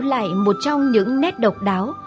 lại một trong những nét độc đáo